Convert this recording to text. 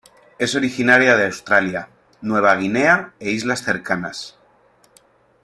Es originaria de Australia, Nueva Guinea e islas cercanas.